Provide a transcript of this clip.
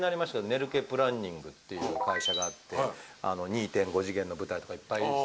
ネルケプランニングっていう会社があって２．５次元の舞台とかいっぱい。